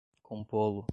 compô-lo